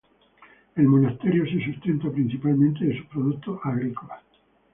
El monasterio se sustenta principalmente de sus productos agrícolas.